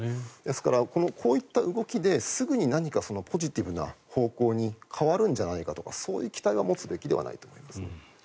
ですから、こういった動きですぐに何かポジティブな方向に変わるんじゃないかとかそういう期待は持つべきじゃないと思います。